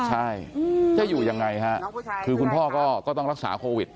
ใช่จะอยู่ยังไงฮะคือคุณพ่อก็ต้องรักษาโควิด